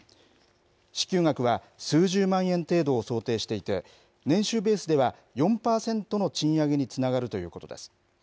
支給額は数十万円程度を想定していて、年収ベースでは４％の賃上げにつながるということです。